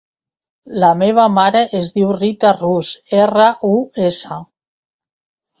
La meva mare es diu Rita Rus: erra, u, essa.